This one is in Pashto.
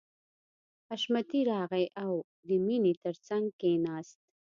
حشمتي راغی او د مینې تر څنګ کښېناست